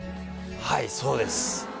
はいそうです